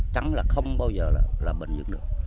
trắng là không bao giờ là bình dựng được